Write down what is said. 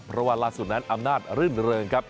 ระวังละสุดนั้นอำนาจรื่นเริ่ม